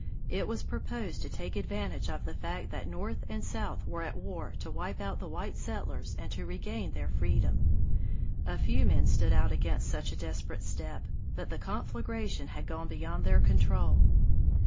It was proposed to take advantage of the fact that north and south were at war to wipe out the white settlers and to regain their freedom. A few men stood out against such a desperate step, but the conflagration had gone beyond their control.